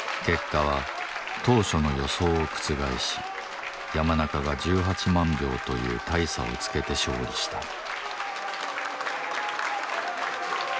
結果は当初の予想を覆し山中が１８万票という大差をつけて勝利した